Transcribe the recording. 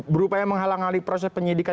berupaya menghalang hali proses penyidikan